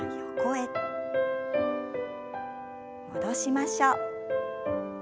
戻しましょう。